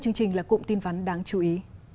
chương trình là cụm tin vấn đáng chú ý